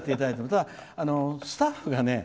ただスタッフがね